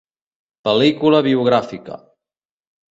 Pel·lícula biogràfica.